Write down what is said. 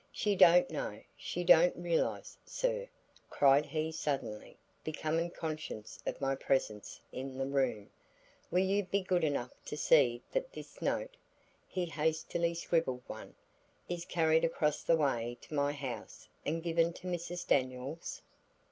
"She don't know, she don't realize Sir," cried he, suddenly becoming conscious of my presence in the room, "will you be good enough to see that this note," he hastily scribbled one, "is carried across the way to my house and given to Mrs. Daniels."